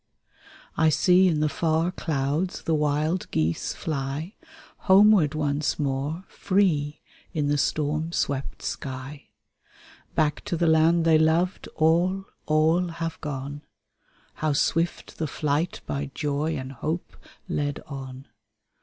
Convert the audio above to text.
I see in the far clouds the wild geese fly. Homeward once more, free, in the storm swept sky. Back to the land they loved, all, all, have gone, How swift the flight by joy and hope led on.